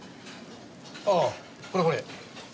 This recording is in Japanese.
ああこれこれ。